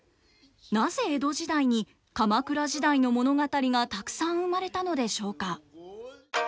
なぜ江戸時代に鎌倉時代の物語がたくさん生まれたのでしょうか。